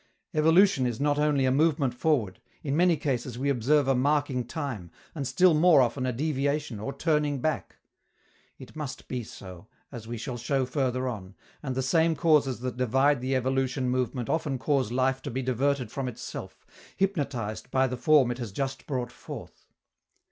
Evolution is not only a movement forward; in many cases we observe a marking time, and still more often a deviation or turning back. It must be so, as we shall show further on, and the same causes that divide the evolution movement often cause life to be diverted from itself, hypnotized by the form it has just brought forth.